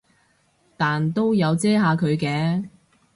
但都有遮下佢嘅